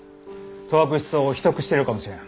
戸隠草を秘匿してるかもしれん。